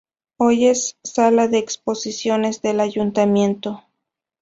Hoy es sala de exposiciones del Ayuntamiento.